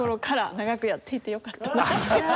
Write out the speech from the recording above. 長くやっていてよかったな。